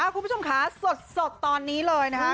คุณผู้ชมค่ะสดตอนนี้เลยนะคะ